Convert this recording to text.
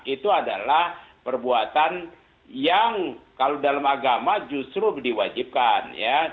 itu adalah perbuatan yang kalau dalam agama justru diwajibkan ya